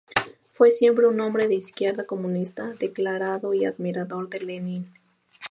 Fue siempre un hombre de izquierda, comunista declarado y admirador de Lenin.